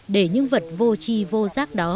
để những vật vô chi vô giác đó